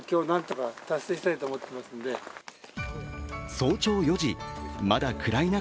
早朝４時、まだ暗い中